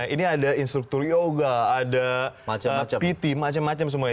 ini ada instruktur yoga ada pt macam macam semuanya